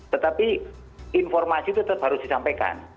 tetapi informasi itu tetap harus disampaikan